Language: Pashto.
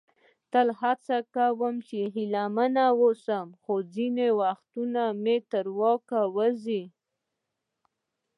تل هڅه کوم چې هیله مند واوسم، خو ځینې وختونه مې تر واک ووزي.